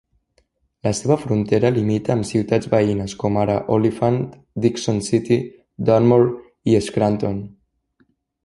La seva frontera limita amb ciutats veïnes, com ara Olyphant, Dickson City, Dunmore i Scranton.